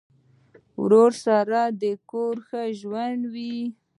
ورور سره د کور ژوند ښه وي.